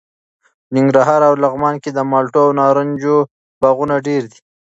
په ننګرهار او لغمان کې د مالټو او نارنجو باغونه ډېر دي.